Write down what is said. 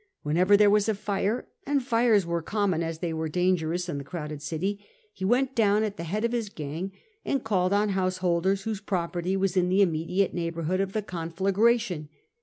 Whenever there was a fire (and fires were as common as they were dangerous in the crowded city), he went down at the head of his gang and called on householders whose property was in the immediate neighbourhood of the conflagration.